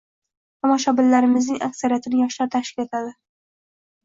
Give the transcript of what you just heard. Tomoshabinlarimizning aksariyatini yoshlar tashkil etadi